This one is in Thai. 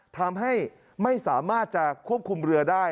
ทำให้ไม่สามารถจะควบคุมเรือได้